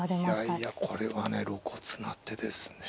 いやいやこれはね露骨な手ですね。